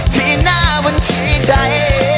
ที่หน้าบัญชีใจ